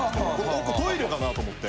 奥トイレかなと思って。